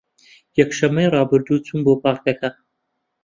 یەکشەممەی ڕابردوو چووم بۆ پارکەکە.